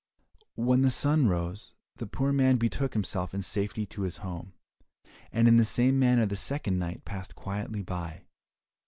When the sun rose, the poor man betook himself in safety to his home, and in the same manner the second night passed quietly by.